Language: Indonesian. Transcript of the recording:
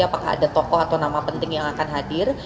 apakah ada tokoh atau nama penting yang akan hadir